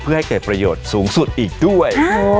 เพื่อให้เกิดประโยชน์สูงสุดอีกด้วย